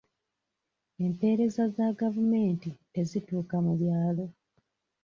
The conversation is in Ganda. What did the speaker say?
Empeereza za gavumenti tezituuka mu byalo.